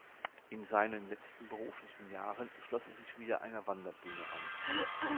In seinen letzten beruflichen Jahren schloss er sich wieder einer Wanderbühne an.